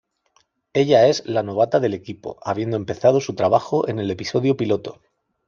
Ella es "la novata" del equipo, habiendo empezado su trabajo en el episodio piloto.